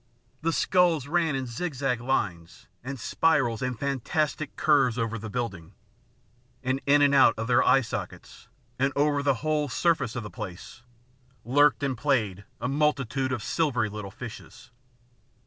The skulls ran in zigzag lines and spirals and fantastic curves over the building ; and in and out of their eye sockets, and over the whole surface of the place, lurked and played a multitude of silvery little fishes.